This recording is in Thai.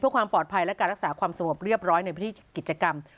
เพื่อความปลอดภัยและการรักษาความสงบเรียบร้อยในพิธีกิจกรรม